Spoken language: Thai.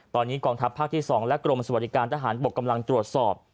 ตอนนี้กองทัพภาคที่๒และกรมสวัสดิการทหารบกกำลังตรวจสอบ